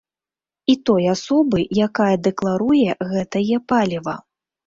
І той асобы, якая дэкларуе гэтае паліва.